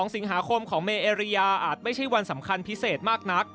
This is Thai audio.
๒สิงหาคมของเมเอริยาอาจไม่ใช่วันสำคัญพิเศษมากนัก